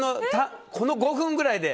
この５分ぐらいで。